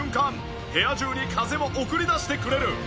部屋中に風を送り出してくれる。